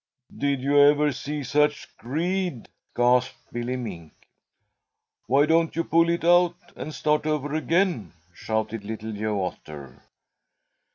"Did you ever see such greed?" gasped Billy Mink. "Why don't you pull it out and start over again?" shouted Little Joe Otter.